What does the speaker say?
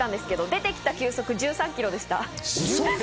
出てきた球速は１３キロでした。